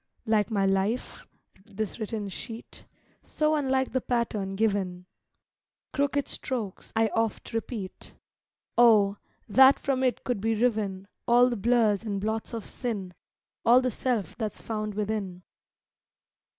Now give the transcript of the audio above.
Like my life, this written sheet, So unlike the pattern given; Crooked strokes, I oft repeat; Oh, that from it could be riven All the blurs and blots of sin; All the self that's found within.